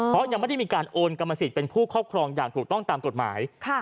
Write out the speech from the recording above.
เพราะยังไม่ได้มีการโอนกรรมสิทธิ์เป็นผู้ครอบครองอย่างถูกต้องตามกฎหมาย